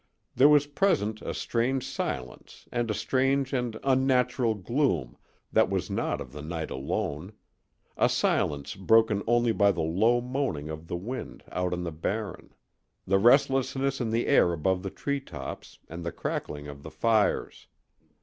There was present a strange silence and a strange and unnatural gloom that was not of the night alone, a silence broken only by the low moaning of the wind out on the Barren, the restlessness in the air above the tree tops, and the crackling of the fires.